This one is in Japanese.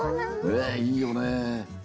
ねえいいよねえ。